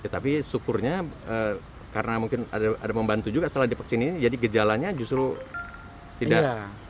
tapi syukurnya karena mungkin ada membantu juga setelah divaksin ini jadi gejalanya justru tidak